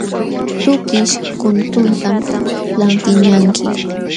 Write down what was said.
Tukish kutuntam lantiqñanki.